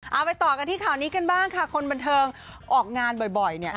เอาไปต่อกันที่ข่าวนี้กันบ้างค่ะคนบันเทิงออกงานบ่อยเนี่ย